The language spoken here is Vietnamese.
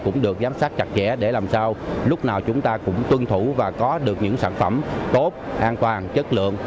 cũng được giám sát chặt chẽ để làm sao lúc nào chúng ta cũng tuân thủ và có được những sản phẩm tốt an toàn chất lượng